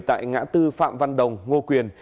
tại ngã tư phạm văn đồng ngô quyền